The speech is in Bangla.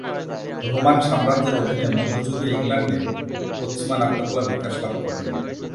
রোমান সাম্রাজ্যের অধীনে মধ্যযুগীয় ইংল্যান্ডে পশ্চিমা নাট্যকলা বিকাশ লাভ করে।